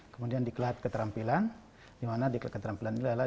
kemudian diklat keterampilan di mana diklat keterampilan ini adalah